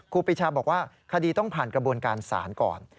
ครูปีชาบอกว่าคดีต้องผ่านกระบวนการศาลก่อน